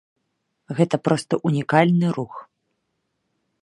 Гэта проста ўнікальны рух.